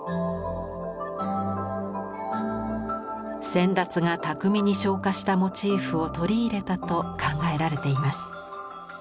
先達が巧みに昇華したモチーフを取り入れたと考えられています。